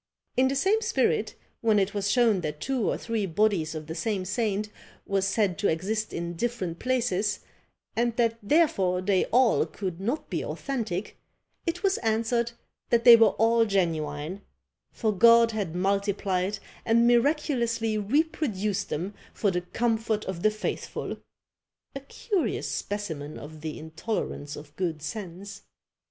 In the same spirit, when it was shown that two or three bodies of the same saint was said to exist in different places, and that therefore they all could not be authentic, it was answered that they were all genuine; for God had multiplied and miraculously reproduced them for the comfort of the faithful! A curious specimen of the intolerance of good sense.